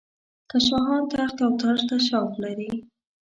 که شاهان تخت او تاج ته شوق لري.